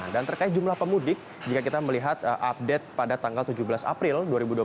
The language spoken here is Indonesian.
terkait jumlah pemudik jika kita melihat update pada tanggal tujuh belas april dua ribu dua puluh